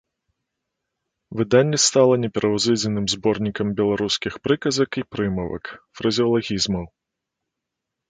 Выданне стала непераўзыдзеным зборнікам беларускіх прыказак і прымавак, фразеалагізмаў.